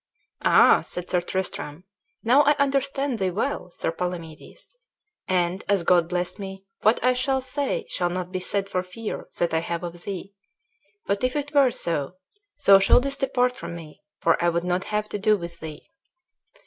"Ah!" said Sir Tristram, "now I understand thee well, Sir Palamedes; and, as God bless me, what I shall say shall not be said for fear that I have of thee. But if it were so, thou shouldest depart from me, for I would not have to do with thee."